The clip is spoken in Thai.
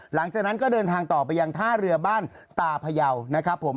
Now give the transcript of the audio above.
หลังจากนั้นก็เดินทางต่อไปยังท่าเรือบ้านตาพยาวนะครับผม